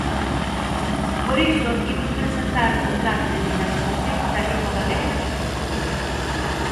Por iso imos presentar o Plan de dinamización da lingua galega na xuventude.